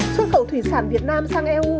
xuất khẩu thủy sản việt nam sang eu